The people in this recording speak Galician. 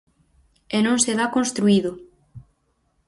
E non se dá construído.